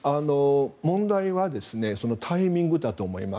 問題はそのタイミングだと思います。